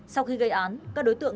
sau khi gây án các đối tượng